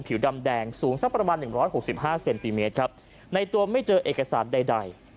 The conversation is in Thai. ผิวดำแดงสูงสักประมาณ๑๖๕เซนติเมตรครับในตัวไม่เจอเอกสารใด